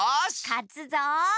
かつぞ。